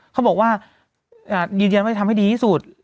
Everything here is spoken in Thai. เขาบอกว่ายืนยันว่าจะทำให้ดีที่สุด